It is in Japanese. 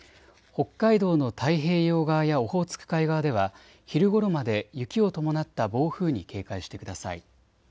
北海道の太平洋側やオホーツク海側では昼ごろまで雪を伴った暴風に警戒してください。